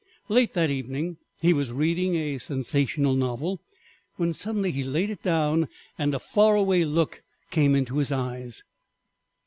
Late that evening he was reading a sensational novel, when suddenly he laid it down and a far away look came into his eyes.